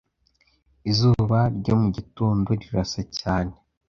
Izuba ryo mu gitondo rirasa cyane